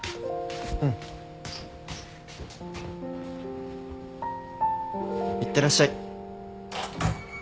うん。いってらっしゃい。